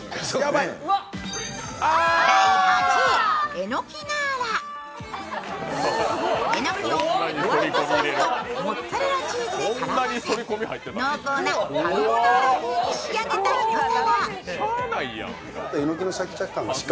えのきをホワイトソースとモッツァレラチーズで絡ませ濃厚なカルボナーラ風に仕上げた一皿。